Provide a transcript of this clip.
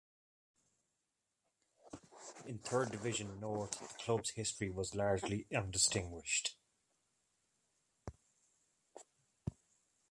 In Third Division North, the club's history was largely undistinguished.